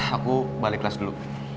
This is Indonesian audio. aku balik kelas dulu